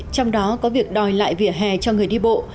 trong đó có việc đòi lại vỉa hè cho người đi bộ